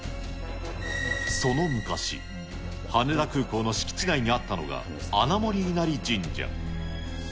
その昔、羽田空港の敷地内にあったのが穴守稲荷神社。